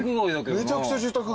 めちゃくちゃ住宅街。